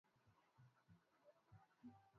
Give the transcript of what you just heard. Kipindi cha lala salama.